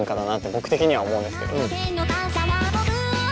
僕的には思うんですけど。